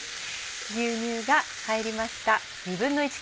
牛乳が入りました。